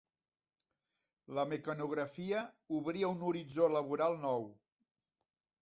La mecanografia obria un horitzó laboral nou.